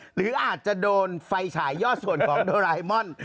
หรืออาจจะโดนไฟฉายยอดส่วนของโดรายมอน